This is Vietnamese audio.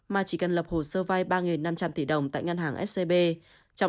mà chỉ cần lập hồ sơ vai ba năm trăm linh tỷ đồng tại ngân hàng scb